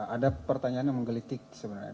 ada pertanyaan yang menggelitik sebenarnya